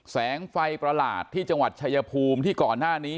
แสงไฟประหลาดที่จังหวัดชายภูมิที่ก่อนหน้านี้